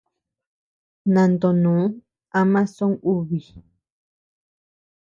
Nantonù ama songubi.